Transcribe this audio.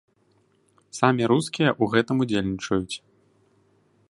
Самі рускія ў гэтым удзельнічаюць.